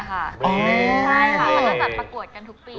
มันจะจัดประกวดกันทุกปีค่ะ